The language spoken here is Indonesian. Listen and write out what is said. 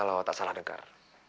kalau tak salah dengar